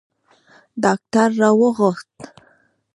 ډاکتر را وغوښت.